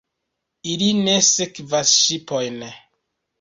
Ili ne sekvas ŝipojn.